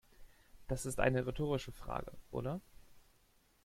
Das ist eine rhetorische Frage, oder?